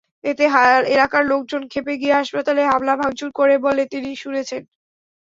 এতে এলাকার লোকজন খেপে গিয়ে হাসপাতালে হামলা-ভাঙচুর করে বলে তিনি শুনেছেন।